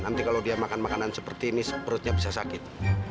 nanti kalau dia makan makanan seperti ini perutnya bisa sakit